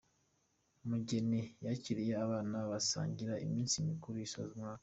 Mujyeni yakiriye abana basangira iminsi mikuru isoza umwaka